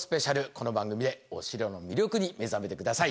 この番組でお城の魅力に目覚めて下さい。